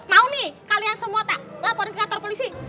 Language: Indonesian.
mau nih kalian semua tak laporin ke kantor polisi